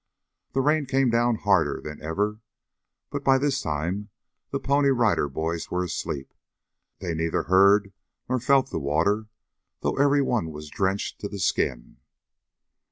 The rain came down harder than ever, but by this time the Pony Rider Boys were asleep. They neither heard nor felt the water, though every one was drenched to the skin.